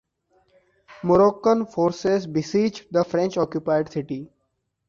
Moroccan forces besieged the French-occupied city.